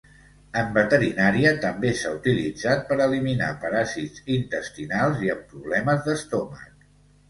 En veterinària, també s'ha utilitzat per eliminar paràsits intestinals i en problemes d'estómac.